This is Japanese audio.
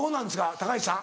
高市さん。